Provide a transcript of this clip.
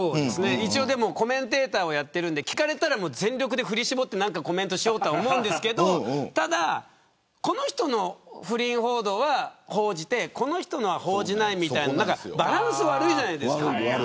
コメンテーターをやってるんで聞かれたら全力で振り絞ってコメントしようと思うんですけどただ、この人の不倫報道は報じてこの人は報じないみたいなバランス悪いじゃないですか。